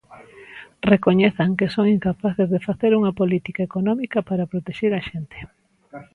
Recoñezan que son incapaces de facer unha política económica para protexer a xente.